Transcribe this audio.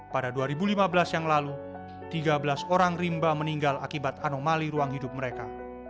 pada dua ribu lima belas yang lalu tiga belas orang rimba meninggal akibat anomali ruang hidup mereka